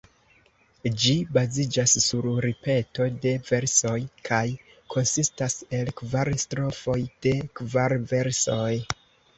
Ĝi baziĝas sur ripeto de versoj, kaj konsistas el kvar strofoj de kvar versoj.